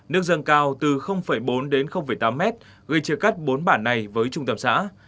nước dâng cao từ bốn đến tám mét gây chia cắt bốn bản này với trung tâm xã